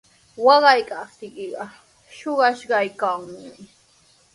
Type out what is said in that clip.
Waqaptiykiqa shuqashqaykimi.